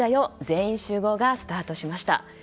全員集合」がスタートしました。